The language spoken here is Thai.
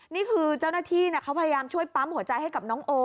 นี่คือเจ้าหน้าที่เขาพยายามช่วยปั๊มหัวใจให้กับน้องโอ